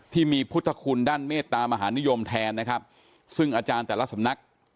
ที่มีพุทธคุณด้านเมตตามหานิยมแทนนะครับซึ่งอาจารย์แต่ละสำนัก